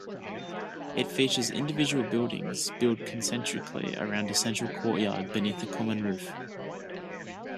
It features individual buildings build concentrically around a central courtyard, beneath a common roof.